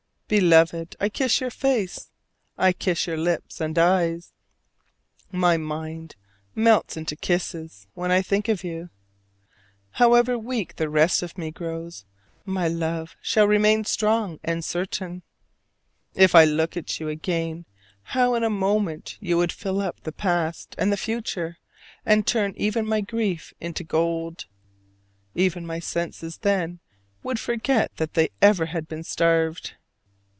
Beloved, I kiss your face, I kiss your lips and eyes: my mind melts into kisses when I think of you. However weak the rest of me grows, my love shall remain strong and certain. If I could look at you again, how in a moment you would fill up the past and the future and turn even my grief into gold! Even my senses then would forget that they had ever been starved.